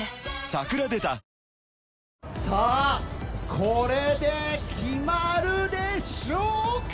これで決まるでしょうか？